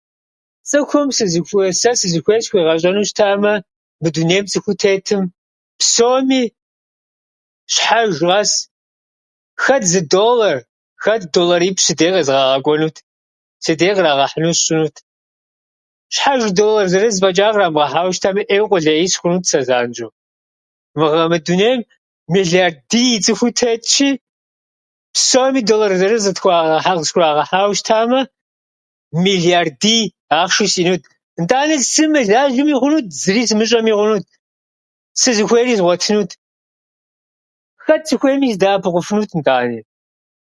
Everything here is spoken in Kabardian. Цӏыхум сызыхуе- сэ сызыхуей схуегъэщӏэну щытамэ, мы дунейм цӏыхуу тетым псоми щхьэж къэс, хэт зы доллэр, хэт доллэрипщӏ си дей къезгъэгъэкӏуэнут, си дей кърагъэхьыну сщӏынут. Щхьэж зы доллэр зырыз фӏэчӏа кърамыгъэхьауэ щытами, ӏейуэ къулей сыхъунут сэ занщӏэу. Мыгъэ- Мы дынейм мелардий цӏыхуу тетщи, псоми доллэр зырыз къытхурагъэхьа- къысхурагъэхьауэ щытамэ, мелардий ахъшэу сиӏэнут. Итӏанэ сымылажьэми хъунут, зыри сымыщӏэми хъунут, сызыхуейри згъуэтынут. Хэт сыхуейми сыдэӏэпыкъуфынут нтӏани.